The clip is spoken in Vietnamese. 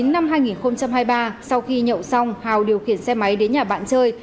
năm hai nghìn hai mươi ba sau khi nhậu xong hào điều khiển xe máy đến nhà bạn chơi